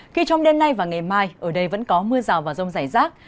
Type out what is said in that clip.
khi trong đêm nay và ngày mai ở đây vẫn có mưa rào và rông rải rác